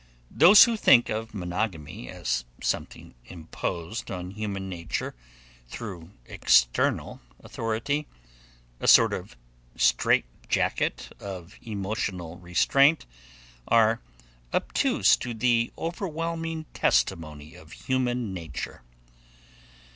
Those who think of monogamy as something imposed on human nature through external authority, a sort of strait jacket of emotional restraint, are obtuse to the overwhelming testimony of human nature.